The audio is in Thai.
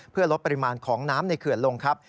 เพื่อลดปริมาณของน้ำในเขื่อนลงครับ